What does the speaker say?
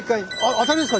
当たりですか？